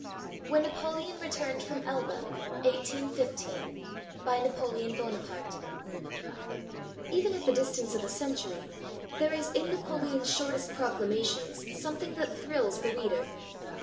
WHEN NAPOLEON RETURNED FROM ELBA BY NAPOLEON BONAPARTE [Even at the distance of a century, there is in Napoleon's shortest proclamations something that thrills the reader.